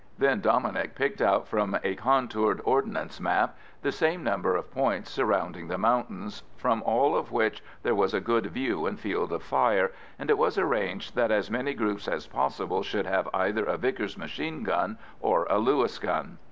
Then Dominic picked out from a contoured Ordnance map the same number of points surrounding the mountains, from all of which there was a good view and field of fire, and it was arranged that as many groups as possible should have either a Vickers machine gun or a Lewis gun.